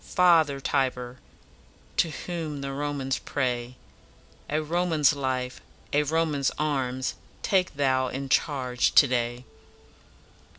father Tiber! To whom the Romans pray, A Roman's life, a Roman's arms, Take thou in charge to day.'"